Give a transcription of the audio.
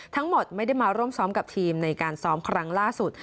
ทั้งหมดไม่ได้มาร่วมซ้อมกับทีมในการซ้อมครั้งล่าสุด